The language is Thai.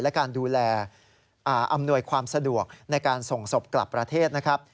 และการดูแลอำนวยความสะดวกในการส่งศพกลับประเทศนะครับ